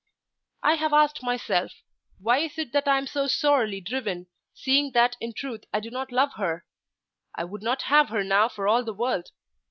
I have asked myself, Why is it that I am so sorely driven, seeing that in truth I do not love her? I would not have her now for all the world.